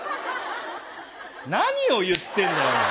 何を言ってんだよお前！